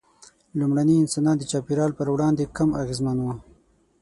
لومړني انسانان د چاپېریال پر وړاندې کم اغېزمن وو.